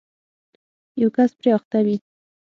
یو کس پرې اخته وي